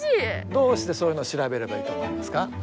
どうしてそういうのを調べればいいと思いますか？